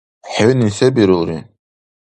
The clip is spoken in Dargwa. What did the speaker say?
ХӀуни се бирулри?!